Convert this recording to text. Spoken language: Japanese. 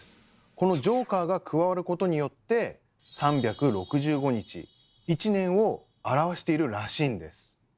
このジョーカーが加わることによって３６５日１年を表しているらしいんです。